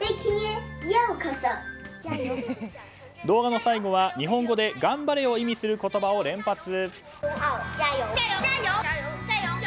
動画の最後は日本語で頑張れを意味する言葉を連発。